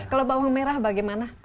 kalau bawang merah bagaimana